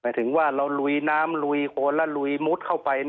ถึงว่าเราลุยน้ำลุยโคนแล้วลุยมุดเข้าไป